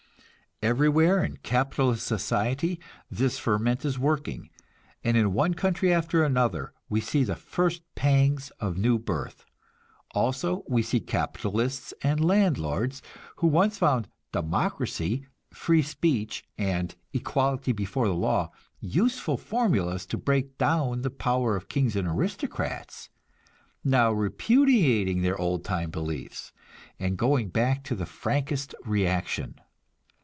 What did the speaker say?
Everywhere in capitalist society this ferment is working, and in one country after another we see the first pangs of the new birth. Also we see capitalists and landlords, who once found "democracy," "free speech" and "equality before the law" useful formulas to break down the power of kings and aristocrats, now repudiating their old time beliefs, and going back to the frankest reaction.